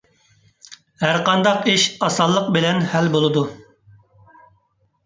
ھەر قانداق ئىش ئاسانلىق بىلەن ھەل بولىدۇ.